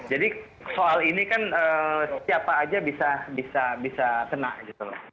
jadi soal ini kan siapa aja bisa bisa bisa kena gitu loh